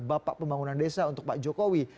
bapak pembangunan desa untuk pak jokowi